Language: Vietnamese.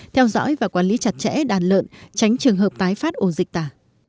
theo dõi và quản lý chặt chẽ đàn lợn tránh trường hợp tái phát ồn dịch tả